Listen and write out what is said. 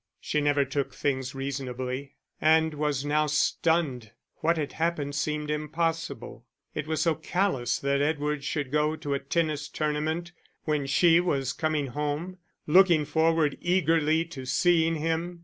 She never took things reasonably, and was now stunned; what had happened seemed impossible. It was so callous that Edward should go to a tennis tournament when she was coming home looking forward eagerly to seeing him.